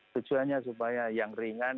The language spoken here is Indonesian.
tujuannya supaya yang ringan